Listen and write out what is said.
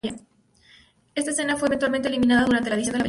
Esa escena fue eventualmente eliminada durante la edición de la película.